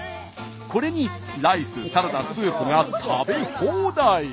これにライスサラダスープが食べ放題！